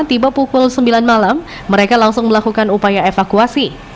tiba pukul sembilan malam mereka langsung melakukan upaya evakuasi